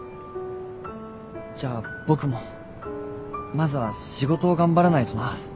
じゃあ僕もまずは仕事を頑張らないとな。